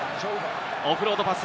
オフロードパス。